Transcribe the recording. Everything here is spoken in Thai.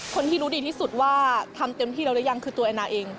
คนที่รู้ดีที่สุดว่าทำเต็มที่แล้วหรือยังคือตัวแอนนาเอง